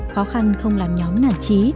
khó khăn không làm nhóm nản trí